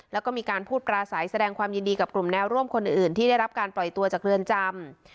แล้วก็มีการพูดปราศัยแสดงความยินดีกับกลุ่มแนวร่วมคนอื่นที่ได้รับการปล่อยตัวจากเรือนจำ